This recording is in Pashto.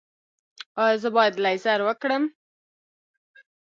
ایا زه باید لیزر وکړم؟